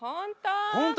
本当？